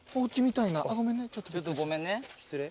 ちょっとごめんね。